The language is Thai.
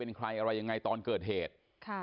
เป็นใครอะไรยังไงตอนเกิดเหตุ